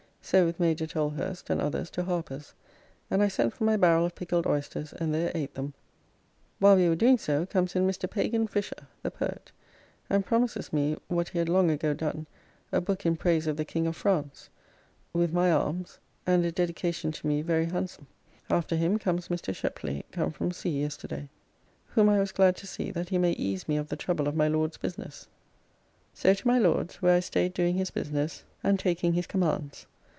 So with Major Tollhurst and others to Harper's, and I sent for my barrel of pickled oysters and there ate them; while we were doing so, comes in Mr. Pagan Fisher; the poet, and promises me what he had long ago done, a book in praise of the King of France, with my armes, and a dedication to me very handsome. After him comes Mr. Sheply come from sea yesterday, whom I was glad to see that he may ease me of the trouble of my Lord's business. So to my Lord's, where I staid doing his business and taking his commands.